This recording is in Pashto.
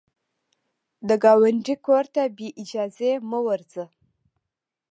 د ګاونډي کور ته بې اجازې مه ورځه